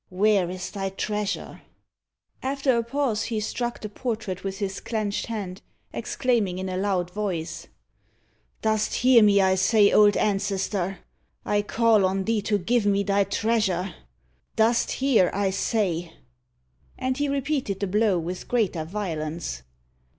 Where is thy treasure?" After a pause, he struck the portrait with his clenched hand, exclaiming in a loud voice: "Dost hear me, I say, old ancestor? I call on thee to give me thy treasure. Dost hear, I say?" And he repeated the blow with greater violence.